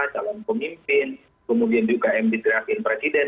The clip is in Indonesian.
calon pemimpin kemudian juga ambitriasi presiden